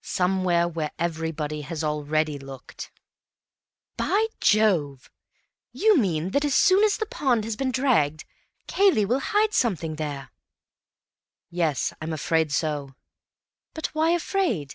"Somewhere where everybody has already looked." "By Jove! You mean that as soon as the pond has been dragged, Cayley will hide something there?" "Yes, I'm afraid so." "But why afraid?"